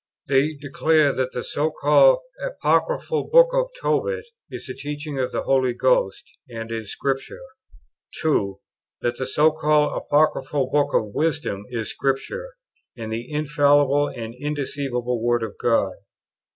They declare that the so called "apocryphal" book of Tobit is the teaching of the Holy Ghost, and is Scripture. 2. That the so called "apocryphal" book of Wisdom is Scripture, and the infallible and undeceivable word of God.